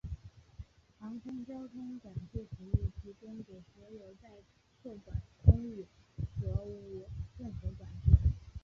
航空交通管制服务提供给所有在受管空域则无任何管制。